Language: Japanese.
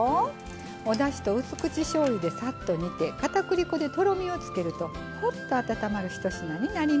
おだしとうす口しょうゆでサッと煮て片栗粉でとろみをつけるとほっと温まる一品になります。